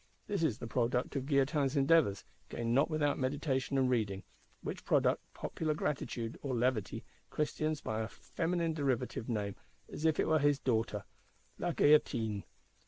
This is the product of Guillotin's endeavours, gained not without meditation and reading; which product popular gratitude or levity christens by a feminine derivative name, as if it were his daughter: _La Guillotine!